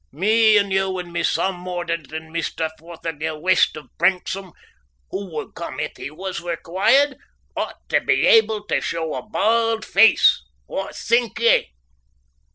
Me and you and my son Mordaunt and Mr. Fothergill West of Branksome, who would come if he was required, ought tae be able tae show a bauld face what think ye?"